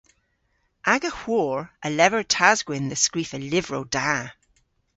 Aga hwor a lever tas-gwynn dhe skrifa lyvrow da.